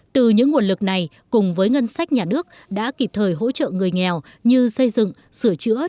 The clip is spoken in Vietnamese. từ những nguồn lực này cùng với ngân sách nhà nước đã kịp thời hỗ trợ người nghèo như xây dựng sửa chữa